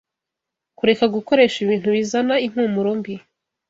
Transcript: Kureka gukoresha ibintu bizana impumuro mbi